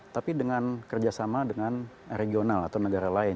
tapi dengan kerjasama dengan regional atau negara lain